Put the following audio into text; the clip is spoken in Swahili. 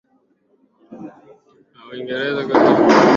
wa Uingereza kiliingia nchini Sierra Leon kwa lengo